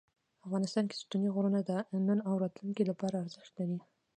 افغانستان کې ستوني غرونه د نن او راتلونکي لپاره ارزښت لري.